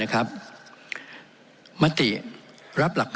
เป็นของวุทธธิสมาชิก๑๐๐